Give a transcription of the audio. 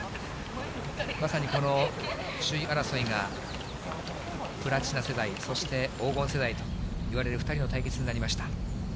まさにこの首位争いが、プラチナ世代、そして黄金世代といわれる２人の対決になりました。